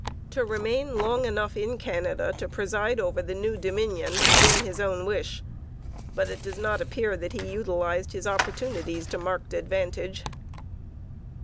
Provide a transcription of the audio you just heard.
To remain long enough in Canada to preside over the new Dominion had been his own wish. But it does not appear that he utilized his opportunities to marked advantage.